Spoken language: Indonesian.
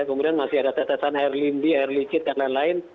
kemudian masih ada tetesan air lindi air licit dan lain lain